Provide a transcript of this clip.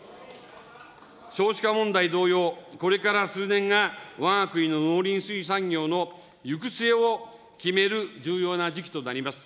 少子化問題同様、これから数年が、わが国の農林水産業の行く末を決める重要な時期となります。